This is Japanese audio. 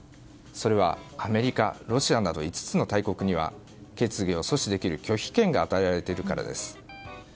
それはアメリカ、ロシアなど５つの大国には決議を阻止できる拒否権が与えられているからです。